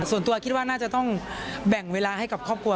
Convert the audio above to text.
ส่วนตัวคิดว่าน่าจะต้องแบ่งเวลาให้กับครอบครัว